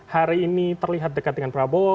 hari ini terlihat dekat dengan prabowo